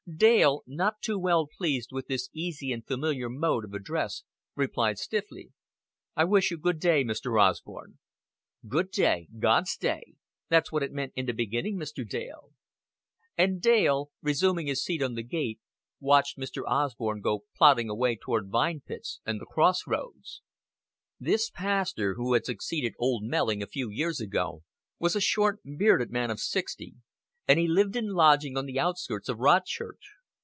Dale, not too well pleased with this easy and familiar mode of address, replied stiffly. "I wish you good day, Mr. Osborn." "Good day. God's day. That's what it meant in the beginning, Mr. Dale." And Dale, resuming his seat on the gate, watched Mr. Osborn go plodding away toward Vine Pits and the Cross Roads. This pastor, who had succeeded old Melling a few years ago, was a short, bearded man of sixty, and he lived in lodgings on the outskirts of Rodchurch.